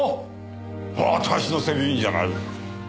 私の責任じゃない。